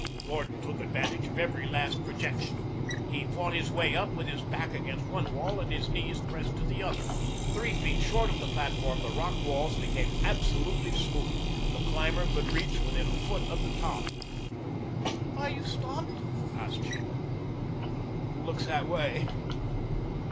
Gordon took advantage of every least projection. He fought his way up with his back against one wall and his knees pressed to the other. Three feet short of the platform the rock walls became absolutely smooth. The climber could reach within a foot of the top. "Are you stopped?" asked Sheba. "Looks that way."